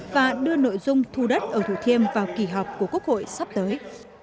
và đưa nội dung thu đất ở thủ thiêm vào kỳ họp của quốc hội sắp tới